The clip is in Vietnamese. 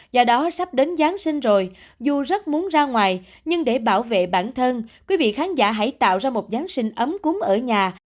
do đó sắp đến giáng sinh rồi dù rất muốn ra ngoài nhưng để bảo vệ bản thân quý vị khán giả hãy tạo ra một giáng sinh ấm cúng ở nhà